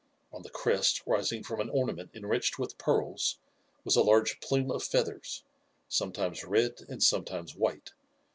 On the crest, rising from an ornament enriched with pearls, was a large plume of feathers, sometimes red and sometimes white.